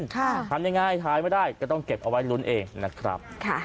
ทำยังไงถ่ายไม่ได้ก็ต้องเก็บเอาไว้ลุ้นเองนะครับ